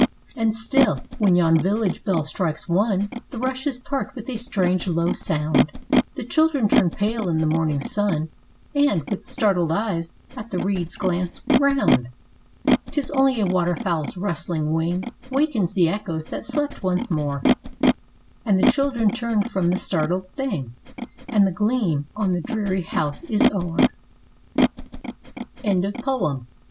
" And still, when yon village bell strikes one, The rushes part with a strange, low sound;" — The children turn pale in the morning sun, And, with startled eyes, at the reeds glance round. 'Tis only a waterfowl's rustling wing Wakens the echoes that slept once more, And the children turn from the startled thing, And the gleam on the dreary House is o'er. 80 forbear.